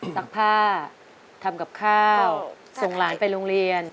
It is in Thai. ซักผ้าทำกับข้าวส่งหลานไปโรงเรียน